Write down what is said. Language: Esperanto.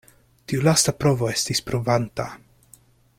Tiu lasta provo estis pruvanta.